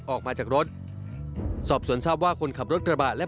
ออกมาจากรถสอบสวนทราบว่าคนขับรถกระบะและ